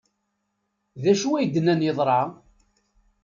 D acu ay d-nnan yeḍra?